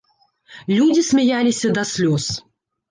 Людзі смяяліся да слёз.